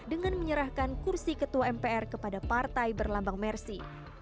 dengan menyerahkan kursi ketua mpr kepada partai berlambang mersi